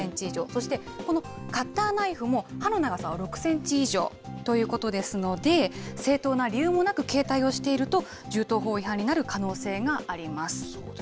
そして、このカッターナイフも刃の長さは６センチ以上ということですので、正当な理由もなく携帯をしていると、銃刀法違反になる可能性があります。